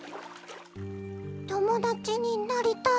ともだちになりたいの？